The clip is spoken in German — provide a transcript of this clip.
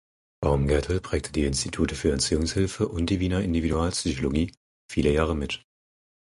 Baumgärtel prägte die Institute für Erziehungshilfe und die Wiener Individualpsychologie viele Jahre mit.